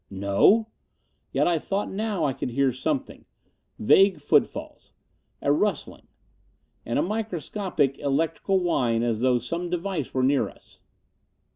"No!" Yet I thought now I could hear something. Vague footfalls. A rustling. And a microscopic electrical whine, as though some device were near us.